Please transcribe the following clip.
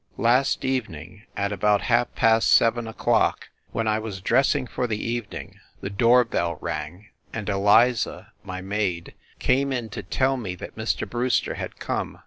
... Last evening, at about half past seven o clock, when I was dressing for the evening, the door bell rang, and Eliza, my maid, came in to tell me that Mr. Brewster had come.